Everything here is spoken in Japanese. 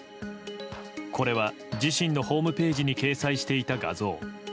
これは、自身のホームページに掲載していた画像。